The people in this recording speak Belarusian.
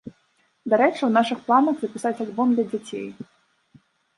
Дарэчы, у нашых планах, запісаць альбом для дзяцей.